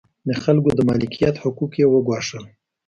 د خلکو د مالکیت حقوق یې وګواښل.